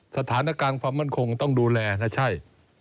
สถานการณ์ความมั่นคงต้องดูแลนะใช่